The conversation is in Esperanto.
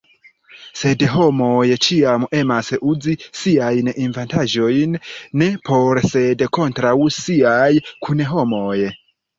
Sed homoj ĉiam emas uzi siajn inventaĵojn ne por sed kontraŭ siaj kunhomoj.